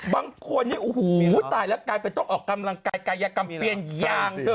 บางคนเนี่ยโอ้โหตายแล้วกลายเป็นต้องออกกำลังกายกายกรรมเปลี่ยนยางเธอ